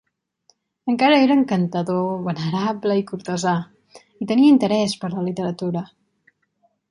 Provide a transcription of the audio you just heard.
Encara era encantador, venerable i cortesà, i tenia interès per la literatura.